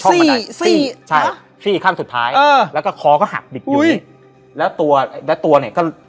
อีก๔ขั้นสุดท้ายแล้วก็คอก็หักบิดอยู่นิดแล้วตัวเนี่ยก็